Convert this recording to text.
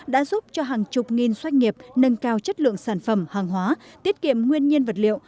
đã giúp cho hàng chục nghìn doanh nghiệp nâng cao chất lượng sản phẩm hàng hóa tiết kiệm nguyên nhiên vật liệu